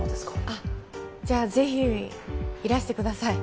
あっじゃあぜひいらしてください